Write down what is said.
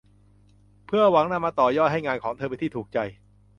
เพื่อหวังนำมาต่อยอดให้งานของเธอเป็นที่ถูกใจ